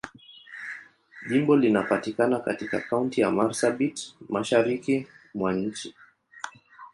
Jimbo linapatikana katika Kaunti ya Marsabit, Mashariki mwa nchi.